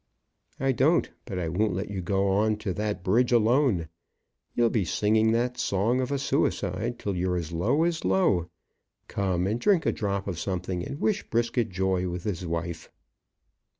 "I don't; but I won't let you go on to that bridge alone. You'll be singing that song of a suicide, till you're as low as low. Come and drink a drop of something, and wish Brisket joy with his wife."